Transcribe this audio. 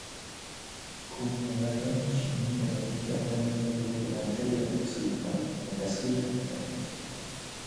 کوهنوردان چینی اراده کردند قلهٔ بلندتری را تسخیر کنند و تسخیر هم کردند